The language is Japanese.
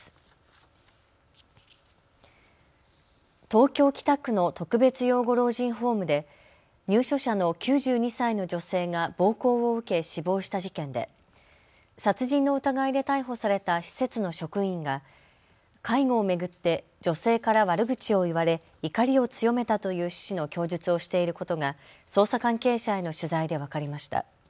東京北区の特別養護老人ホームで入所者の９２歳の女性が暴行を受け死亡した事件で殺人の疑いで逮捕された施設の職員が介護を巡って女性から悪口を言われ怒りを強めたという趣旨の供述をしていることが捜査関係者への取材で分かりました。